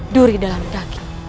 duri dalam daging